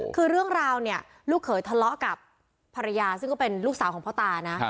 คือเรื่องราวเนี่ยลูกเขยทะเลาะกับภรรยาซึ่งก็เป็นลูกสาวของพ่อตานะ